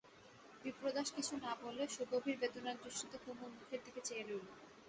বিপ্রদাস কিছু না বলে সুগভীর বেদনার দৃষ্টিতে কুমুর মুখের দিকে চেয়ে রইল।